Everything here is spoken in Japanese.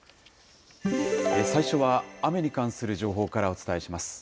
最初は雨に関する情報からお伝えします。